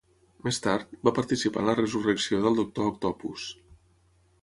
Més tard, va participar en la resurrecció del doctor Octopus.